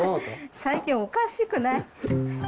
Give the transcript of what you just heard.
最近おかしくない？